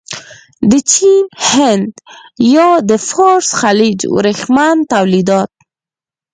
د چین، هند یا د فارس خلیج ورېښمین تولیدات.